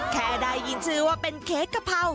แค่ได้ยินชื่อว่าเป็นเค้กกะเพรา